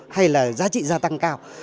hay là giá trị gia tăng cao